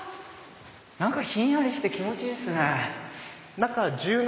何かひんやりして気持ちいいですね。